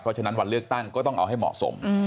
เพราะฉะนั้นวันเลือกตั้งก็ต้องเอาให้เหมาะสม